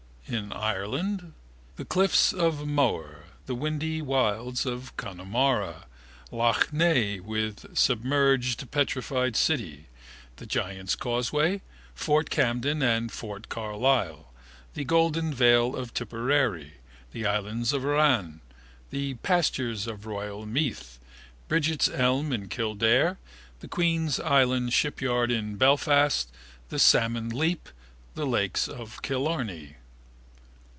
In Ireland? The cliffs of Moher, the windy wilds of Connemara, lough Neagh with submerged petrified city, the Giant's Causeway, Fort Camden and Fort Carlisle, the Golden Vale of Tipperary, the islands of Aran, the pastures of royal Meath, Brigid's elm in Kildare, the Queen's Island shipyard in Belfast, the Salmon Leap, the lakes of Killarney.